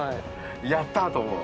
「やったー！」と思う？